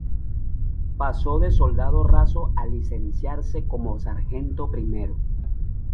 Pasó de soldado raso a licenciarse como sargento primero.